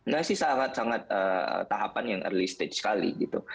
gak sih sangat sangat tahapan yang early stage sekali gitu